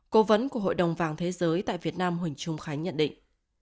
cố vấn của hội đồng vàng thế giới tại việt nam huỳnh trung khánh nhận định